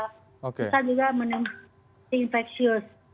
bisa juga menimbulkan infeksius